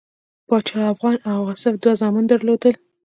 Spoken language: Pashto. پاچا افغان او آصف دوه زامن درلودل.